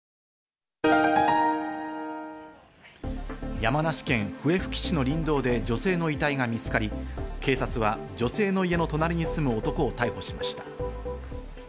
山梨県笛吹市の林道で女性の遺体が見つかり、警察は昨日、女性の家の隣に住む男を逮捕しました。